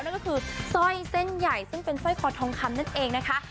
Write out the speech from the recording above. นั่นก็คือสร้อยเส้นใหญ่ซึ่งเป็นสร้อยคอทองคำนั่นเองนะคะ